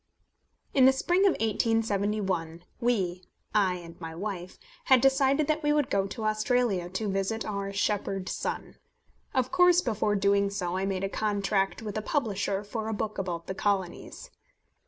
In the spring of 1871 we, I and my wife, had decided that we would go to Australia to visit our shepherd son. Of course before doing so I made a contract with a publisher for a book about the Colonies.